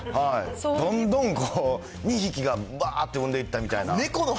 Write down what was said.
どんどん２匹がばーって産んでいったみたいな。